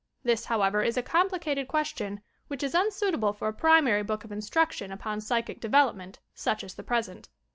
This, however, is a complicated question which is unsuitable for a primary book of instruction upon psychic development such as the present.